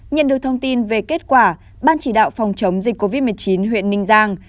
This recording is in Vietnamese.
nhận được thông tin về kết quả ban chỉ đạo phòng chống dịch covid một mươi chín huyện ninh giang